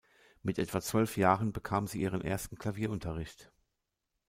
Mit etwa zwölf Jahren bekam sie ihren ersten Klavierunterricht.